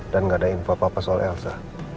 dan gak ada info apa apa soal elsa